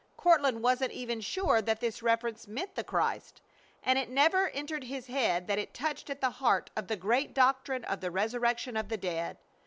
Courtland wasn't even sure that this reference meant the Christ, and it never entered his head that it touched at the heart of the great doctrine of the resurrection of the dead.